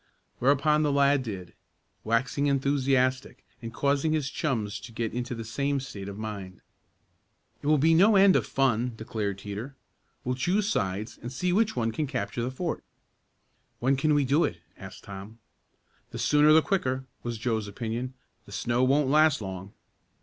Whereupon the lad did, waxing enthusiastic, and causing his chums to get into the same state of mind. "It will be no end of fun!" declared Teeter. "We'll choose sides and see which one can capture the fort." "When can we do it?" asked Tom. "The sooner the quicker," was Joe's opinion. "The snow won't last long."